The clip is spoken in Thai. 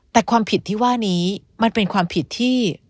แต่ความผิดที่ว่านี้มันเป็นความผิดที่